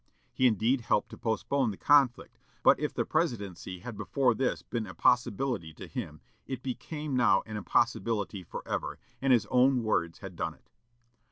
He indeed helped to postpone the conflict, but if the presidency had before this been a possibility to him, it became now an impossibility forever, and his own words had done it.